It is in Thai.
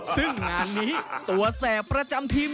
ซึ่งงานนี้ตัวแสบประจำทีม